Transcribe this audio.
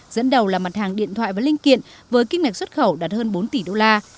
dẫn đầu là mặt hàng điện thoại và linh kiện với kim ngạch xuất khẩu đạt hơn bốn tỷ đô la